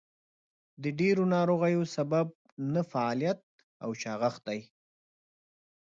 د ډېرو ناروغیو سبب نهفعاليت او چاغښت دئ.